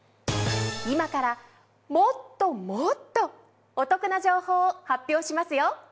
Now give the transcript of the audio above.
今からもっともっとお得な情報を発表しますよ。